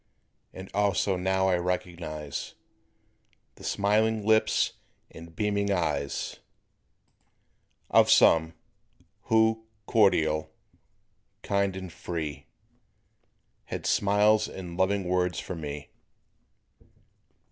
And also now I recognize The smiling lips and beaming eyes Of some, who, cordial, kind and free, Had smiles and loving words for me.